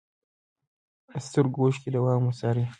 د سترګو اوښکې دوام وڅارئ.